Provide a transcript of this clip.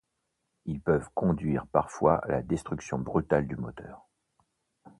Ils peuvent conduire parfois à la destruction brutale du moteur.